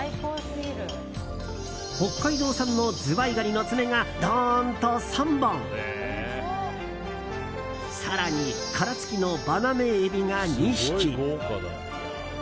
北海道産のズワイガニの爪がドーンと３本更に殻つきのバナメイエビが２匹。